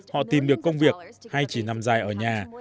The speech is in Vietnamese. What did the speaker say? họ tìm được công việc hay chỉ nằm dài ở nhà